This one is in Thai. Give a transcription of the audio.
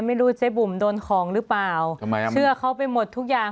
ไม่รู้เจ๊บุ๋มโดนของหรือเปล่าทำไมอ่ะเชื่อเขาไปหมดทุกอย่าง